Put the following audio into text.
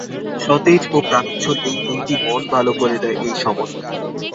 সতেজ ও প্রানোচ্ছল এই ফুলটি মন ভালো করে দেয় এই সময়।